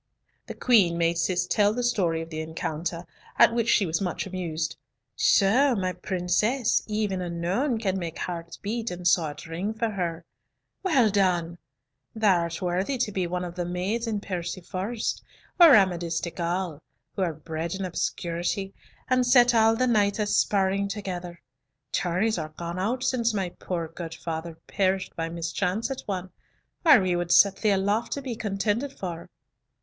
The Queen made Cis tell the story of the encounter, at which she was much amused. "So my princess, even unknown, can make hearts beat and swords ring for her. Well done! thou art worthy to be one of the maids in Perceforest or Amadis de Gaul, who are bred in obscurity, and set all the knights a sparring together. Tourneys are gone out since my poor gude father perished by mischance at one, or we would set thee aloft to be contended for."